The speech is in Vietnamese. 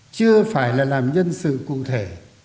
chưa phải là làm nhân sự cụ thể